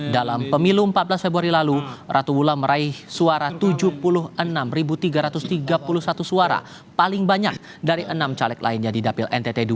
dalam pemilu empat belas februari lalu ratu wullah meraih suara tujuh puluh enam tiga ratus tiga puluh satu suara paling banyak dari enam caleg lainnya di dapil ntt dua